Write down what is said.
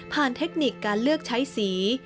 เทคนิคการเลือกใช้สี